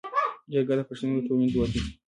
جرګه د پښتنو د ټولنې دود دی